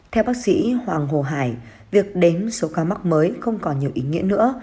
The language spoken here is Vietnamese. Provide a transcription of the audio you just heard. theo bác sĩ hoàng hồ hải việc đến số ca mắc mới không còn nhiều ý nghĩa nữa